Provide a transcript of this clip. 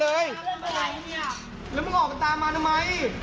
เขาบอกว่าไม่เอามา